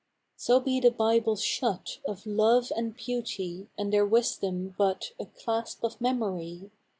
So be the Bible shut Of Love and Beauty, and their wisdom but A clasp of memory!